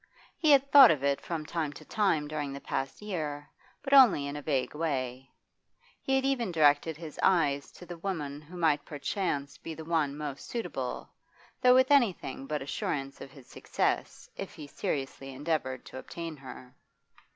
He had thought of it from time to time during the past year, but only in a vague way; he had even directed his eyes to the woman who might perchance be the one most suitable, though with anything but assurance of his success if he seriously endeavoured to obtain her.